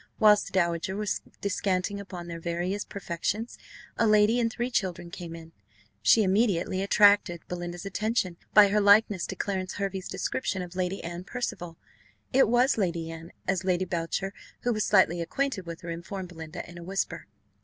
Whilst the dowager was descanting upon their various perfections, a lady and three children came in; she immediately attracted Belinda's attention, by her likeness to Clarence Hervey's description of Lady Anne Percival it was Lady Anne, as Lady Boucher, who was slightly acquainted with her, informed Belinda in a whisper.